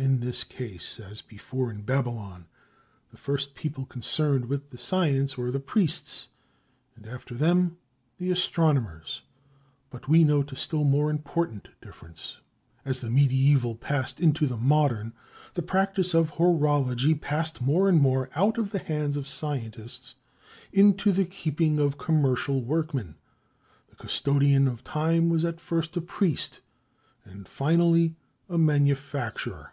In this case, as before in Babylon, the people first concerned with the science were the priests, and after them the astronomers, but we note a still more important difference. As the medieval passed into the modern, the practise of horology passed more and more out of the hands of scientists into the keeping of commercial workmen. The custodian of time was at first a priest, and finally a manufacturer.